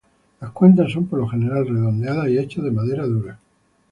Las cuentas son por lo general redondeadas y hechas de madera dura.